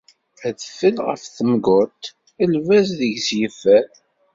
Adfel ɣef temguṭ, lbaz deg-s yeffer.